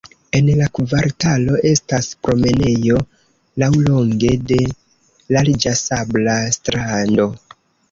En la kvartalo estas promenejo laŭlonge de larĝa sabla strando.